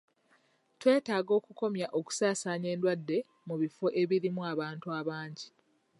Twetaaga okukomya okusaasaanya endwadde mu bifo ebirimu abantu abangi.